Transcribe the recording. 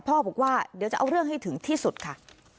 บอกว่าเดี๋ยวจะเอาเรื่องให้ถึงที่สุดค่ะ